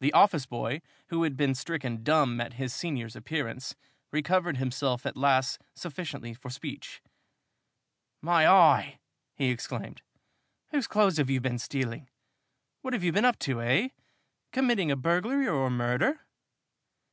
The office boy, who had been stricken dumb at his senior's appearance, recovered himself at last sufficiently for speech. "My eye!" he exclaimed. "Whose clothes have you been stealing? What have you been up to, eh? Committing a burglary or a murder?"